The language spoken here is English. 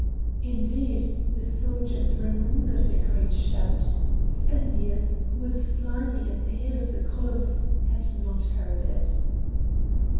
Indeed, the soldiers remembered a great shout; Spendius, who was flying at the head of the columns, had not heard it.